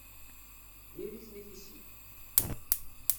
D iri-ten i tissit!